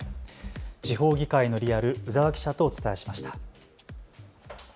地方議会のリアル鵜澤記者とお伝えしました。